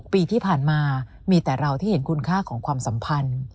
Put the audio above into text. ปีที่ผ่านมามีแต่เราที่เห็นคุณค่าของความสัมพันธ์